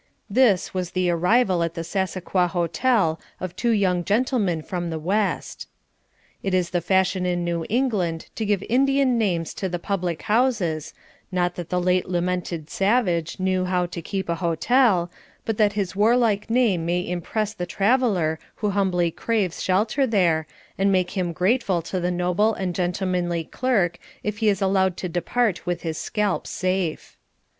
This was the arrival at the Sassacua Hotel of two young gentlemen from the west. It is the fashion in New England to give Indian names to the public houses, not that the late lamented savage knew how to keep a hotel, but that his warlike name may impress the traveler who humbly craves shelter there, and make him grateful to the noble and gentlemanly clerk if he is allowed to depart with his scalp safe.